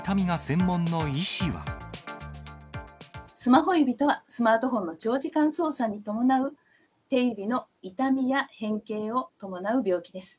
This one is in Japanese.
スマホ指とは、スマートフォンの長時間操作に伴う、手指の痛みや変形を伴う病気です。